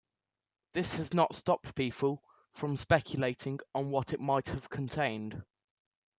This has not stopped people from speculating on what it might have contained.